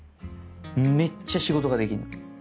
めっちゃ仕事ができんの。